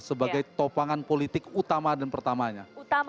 sebagai topangan politik utama dan pertamanya